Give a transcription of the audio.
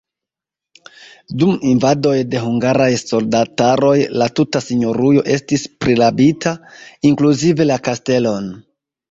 Dum invadoj de hungaraj soldataroj la tuta sinjorujo estis prirabita, inkluzive la kastelon.